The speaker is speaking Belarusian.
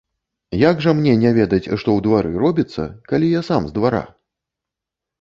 Як жа мне не ведаць, што ў двары робіцца, калі я сам з двара?